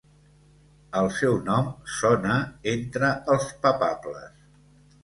El seu nom sona entre els papables.